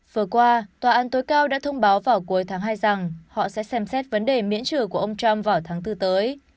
vừa qua tòa án tối cao đã thông báo vào cuối tháng hai rằng họ sẽ xem xét vấn đề miễn trừ của ông trump vào tháng bốn tới